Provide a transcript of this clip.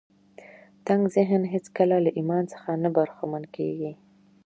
تنګ ذهن هېڅکله له ايمان څخه نه برخمن کېږي.